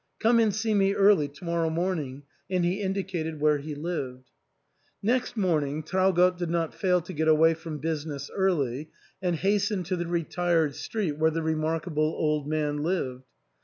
Come and see me early to morrow morning," and he indicated where he lived. Next morning Traugott did not fail to get away from business early and hasten to the retired street where the remarkable old man lived.